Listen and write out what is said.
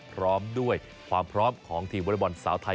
พร้อมด้วยความพร้อมของทีมวอเล็กบอลสาวไทย